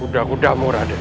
tanda tekanku raden